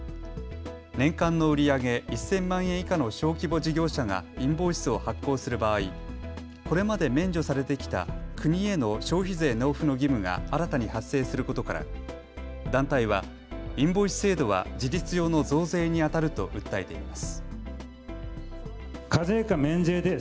年間の売り上げ１０００万円以下の小規模事業者がインボイスを発行する場合、これまで免除されてきた国への消費税納付の義務が新たに発生することから団体はインボイス制度は事実上の増税にあたると訴えています。